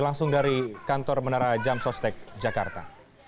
langsung dari kantor menara jam sostek jakarta